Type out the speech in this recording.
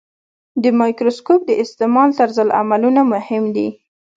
د مایکروسکوپ د استعمال طرزالعملونه مهم دي.